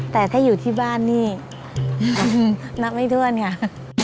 แต่ถ้าอยู่ที่บ้านนี่นับไม่ถ้วนค่ะ